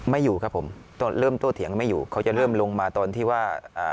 ไม่อยู่ครับผมเริ่มโตเถียงไม่อยู่เขาจะเริ่มลงมาตอนที่ว่าอ่า